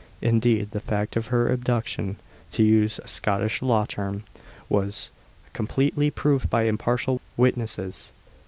Indeed, the fact of her abduction (to use a Scottish law term) was completely proved by impartial witnesses.